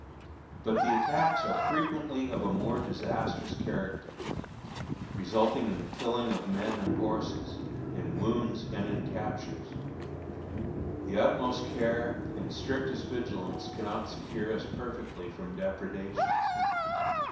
But the attacks are frequently of a more disastrous character, resulting in the killing of men and horses, in wounds and in captures. The utmost care and strictest vigilance cannot secure us perfectly from depredations.